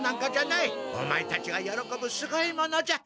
オマエたちがよろこぶすごいものじゃ。